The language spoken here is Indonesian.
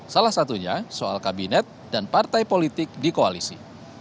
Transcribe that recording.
salah satunya soal kabinet dan partai politik di koalisi